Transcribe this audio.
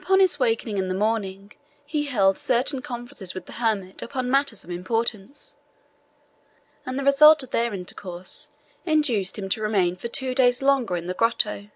Upon his awaking in the morning, he held certain conferences with the hermit upon matters of importance, and the result of their intercourse induced him to remain for two days longer in the grotto.